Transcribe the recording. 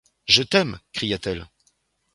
Je t’aime ! cria-t-elle.